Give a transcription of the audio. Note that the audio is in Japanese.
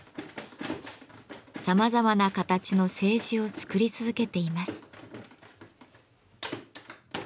さまざまな形の青磁を作り続けています。